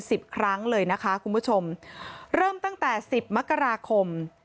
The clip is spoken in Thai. สิบครั้งเลยนะคะคุณผู้ชมเริ่มตั้งแต่สิบมกราคม